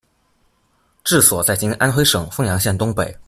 治所在今安徽省凤阳县东北。